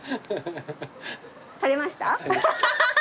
撮れました？